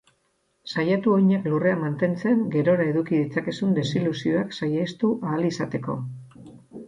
Saiatu oinak lurrean mantentzen gerora eduki ditzakezun desilusioak saihestu ahal izateko.